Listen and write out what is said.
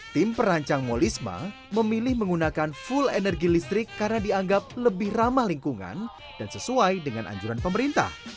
tim perancang molisma memilih menggunakan full energi listrik karena dianggap lebih ramah lingkungan dan sesuai dengan anjuran pemerintah